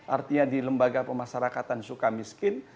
artinya di lembaga pemasarakatan suka miskin